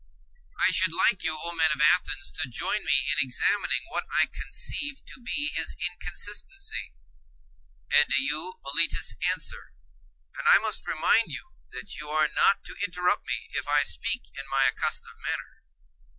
I should like you, O men of Athens, to join me in examining what I conceive to be his inconsistency; and do you, Meletus, answer. And I must remind you that you are not to interrupt me if I speak in my accustomed manner.